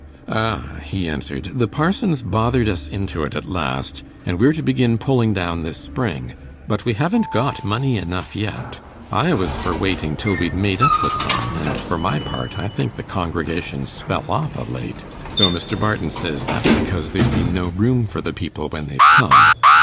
'Ah,' he answered, 'the parson's bothered us into it at last, and we're to begin pulling down this spring. But we haven't got money enough yet. I was for waiting till we'd made up the sum, and, for my part, I think the congregation's fell off o' late; though Mr. Barton says that's because there's been no room for the people when they've come.